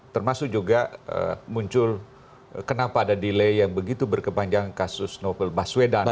termasuk juga muncul kenapa ada delay yang begitu berkepanjangan kasus novel baswedan